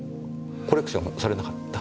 コレクションされなかった？